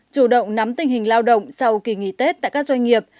chủ động nắm tình hình lao động sau kỳ nghỉ tết tại các doanh nghiệp